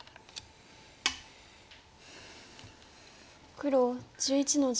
黒１１の十。